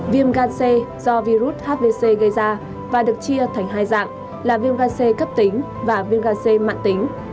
viêm gan c do virus hvc gây ra và được chia thành hai dạng là viêm gan c cấp tính và viêm ga c mạng tính